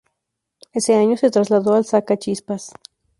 Ese año se trasladó al Sacachispas.